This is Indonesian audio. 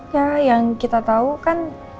ya yang kita tahu kan